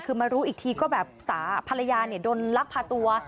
คือมารู้อีกทีก็แบบภรรยาโดนลักพาตัว